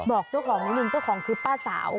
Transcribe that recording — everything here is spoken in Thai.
บอกเจ้าของนิดนึงเจ้าของคือป้าสาว